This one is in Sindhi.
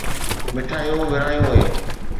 مٺايون ورهايون ويون.